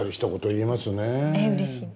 えうれしい。